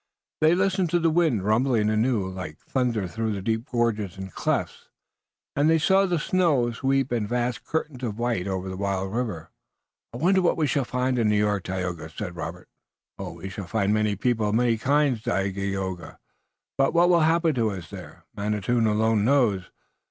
They listened to the wind rumbling anew like thunder through the deep gorges and clefts, and they saw the snow swept in vast curtains of white over the wild river. "I wonder what we shall find in New York, Tayoga," said Robert. "We shall find many people, of many kinds, Dagaeoga, but what will happen to us there Manitou alone knows.